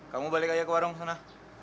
kamu balik aja ke warung sana